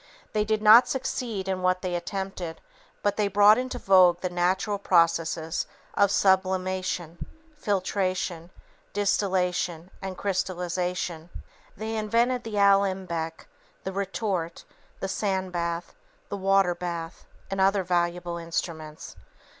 They did not succeed in what they attempted, but they brought into vogue the natural processes of sublimation, filtration, distillation, and crystallization; they invented the alembic, the retort, the sand bath, the water bath and other valuable instruments.